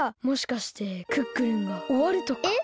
もしかして「クックルン」がおわるとか？